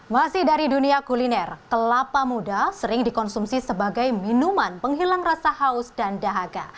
masih dari dunia kuliner kelapa muda sering dikonsumsi sebagai minuman penghilang rasa haus dan dahaga